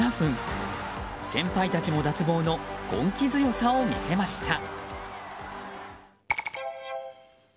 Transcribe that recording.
先輩たちも脱帽の根気強さを見せました。